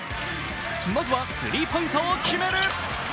まずは、スリーポイントを決める。